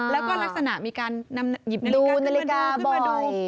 แล้วก็ลักษณะมีการยิบนาฬิกาขึ้นมาดู